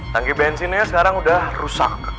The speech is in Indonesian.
tangki bensinnya sekarang sudah rusak